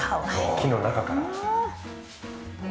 木の中から。